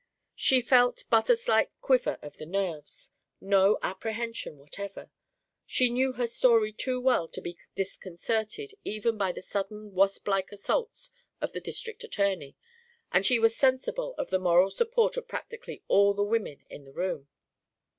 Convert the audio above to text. She felt but a slight quiver of the nerves, no apprehension whatever. She knew her story too well to be disconcerted even by the sudden wasp like assaults of the district attorney, and she was sensible of the moral support of practically all the women in the room.